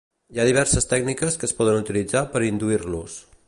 hi ha diverses tècniques que es poden utilitzar per induir-los